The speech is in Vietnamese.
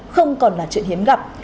không còn là chuyện hiếm gặp